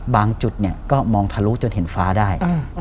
บางจุดก็มองทะลุจนเห็นฟ้าได้